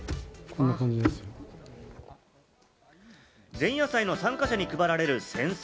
前夜祭の参加者に配られる扇子。